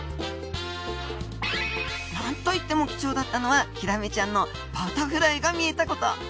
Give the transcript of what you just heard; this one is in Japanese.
なんといっても貴重だったのはヒラメちゃんのバタフライが見えたこと。